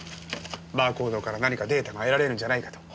バーコードから何かデータが得られるんじゃないかと。